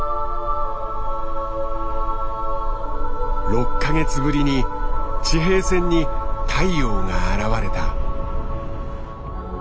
６か月ぶりに地平線に太陽が現れた。